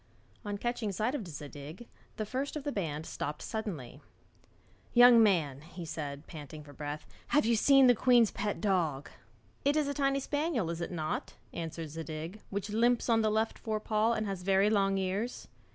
On catching sight of Zadig, the first of the band stopped suddenly. 'Young man,' he said, panting for breath, 'have you seen the queen's pet dog?' 'It is a tiny spaniel, is it not?' answered Zadig, 'which limps on the left fore paw, and has very long ears?'